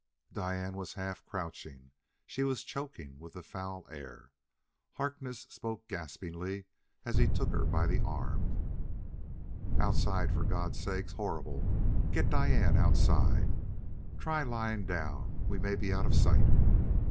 Diane was half crouching; she was choking with the foul air. Harkness spoke gaspingly as he took her by the arm: "Outside, for God's sake!... Horrible!... Get Diane outside try lying down we may be out of sight!"